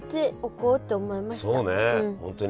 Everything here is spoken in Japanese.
本当に。